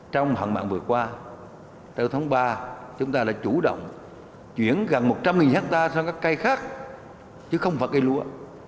trong hạn mạng vừa qua từ tháng ba chúng ta đã chủ động chuyển gần một trăm linh hectare sang các cây khác chứ không vào cây lúa